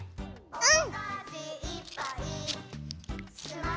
うん。